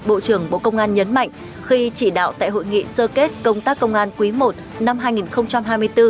bộ trưởng bộ công an nhấn mạnh khi chỉ đạo tại hội nghị sơ kết công tác công an quý i năm hai nghìn hai mươi bốn